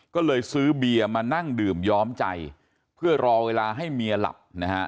ก็เลยซื้อเบียร์มานั่งดื่มย้อมใจเพื่อรอเวลาให้เมียหลับนะฮะ